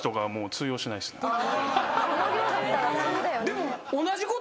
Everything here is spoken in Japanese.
でも。